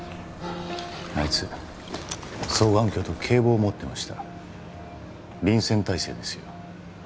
あいつ双眼鏡と警棒を持ってました臨戦態勢ですよ